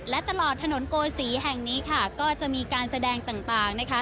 และตลอดถนนโกศีแห่งนี้ค่ะก็จะมีการแสดงต่างนะคะ